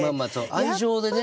愛情でね。